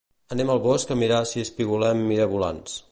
Anem al bosc a mirar si espigolem mirabolans